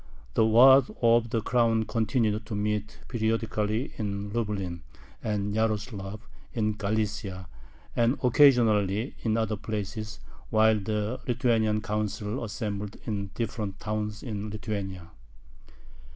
The Waad of the Crown continued to meet periodically in Lublin, and Yaroslav (in Galicia), and occasionally in other places, while the Lithuanian Council assembled in different towns in Lithuania.